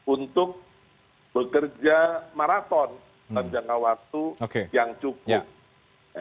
untuk bekerja maraton panjangnya waktu yang cukup